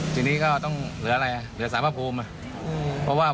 ทีนี้ก็ต้องเหลืออะไรอ่ะเหลือสารพระภูมิอ่ะ